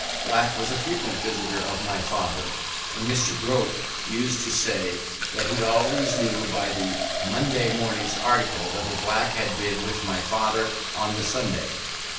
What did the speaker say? Black was a frequent visitor of my father, and Mr. Grote used to say that he always knew by the Monday morning's article whether Black had been with my father on the Sunday.